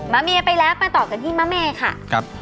มะเมียไปแล้วมาต่อกันที่มะแม่ค่ะ